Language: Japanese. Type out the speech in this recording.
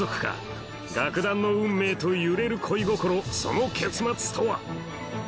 楽団の運命と揺れる恋心その結末とは？